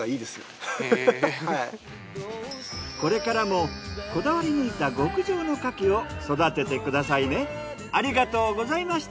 これからもこだわりぬいた極上の牡蠣を育ててくださいね。